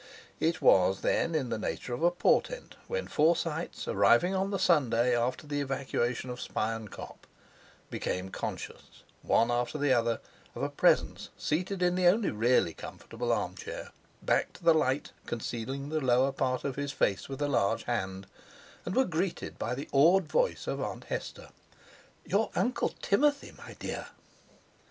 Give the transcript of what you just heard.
It was, then, in the nature of a portent when Forsytes, arriving on the Sunday after the evacuation of Spion Kop, became conscious, one after the other, of a presence seated in the only really comfortable armchair, back to the light, concealing the lower part of his face with a large hand, and were greeted by the awed voice of Aunt Hester: "Your Uncle Timothy, my dear."